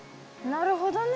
なるほどね。